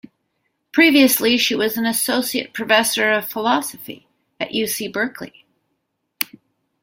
Previously, she was an Associate Professor of Philosophy at U. C. Berkeley.